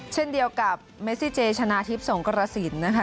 เช่นเดียวกับเมซิเจชนะทิพย์สงกรสินนะคะ